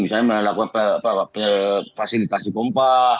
misalnya melakukan fasilitasi pompa